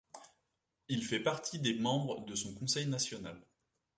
Il fait partie des membres de son Conseil National.